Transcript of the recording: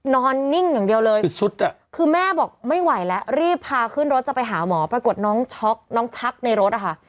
นิ่งอย่างเดียวเลยคือสุดอ่ะคือแม่บอกไม่ไหวแล้วรีบพาขึ้นรถจะไปหาหมอปรากฏน้องช็อกน้องชักในรถอะค่ะ